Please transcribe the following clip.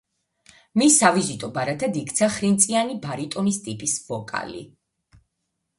მის სავიზიტო ბარათად იქცა ხრინწიანი ბარიტონის ტიპის ვოკალი.